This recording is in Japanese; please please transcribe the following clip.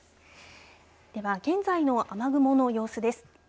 では現在の雨雲の様子です。